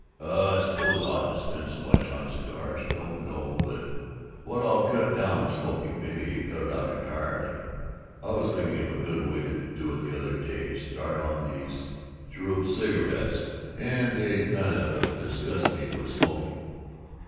"I suppose I oughtn't to spend so much on cigars. Don't know but what I'll cut down my smoking, maybe cut it out entirely. I was thinking of a good way to do it, the other day: start on these cubeb cigarettes, and they'd kind of disgust me with smoking."